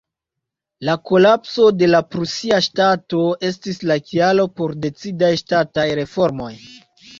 La kolapso de la prusia ŝtato estis la kialo por decidaj ŝtataj reformoj.